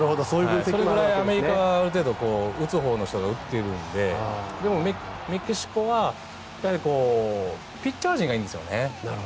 それぐらいアメリカはある程度打つほうの人が打っているのででも、メキシコはピッチャー陣がいいんですよね。